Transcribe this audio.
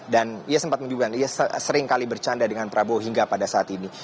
dan ia sempat menjubahnya ia sering kali bercanda dengan prabowo hingga pada saat ini